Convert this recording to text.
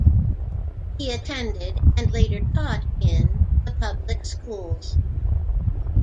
He attended and later taught in the public schools.